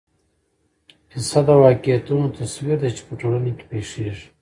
کیسه د واقعیتونو تصویر دی چې په ټولنه کې پېښېږي.